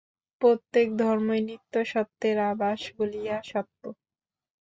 প্রত্যেক ধর্মই নিত্য সত্যের আভাস বলিয়া সত্য।